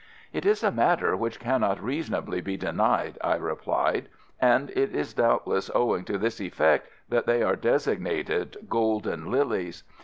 "It is a matter which cannot reasonably be denied," I replied; "and it is doubtless owing to this effect that they are designated 'Golden Lilies.